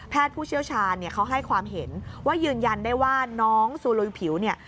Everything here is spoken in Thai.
ผู้เชี่ยวชาญเนี่ยเขาให้ความเห็นว่ายืนยันได้ว่าน้องซูลุยผิวเนี่ย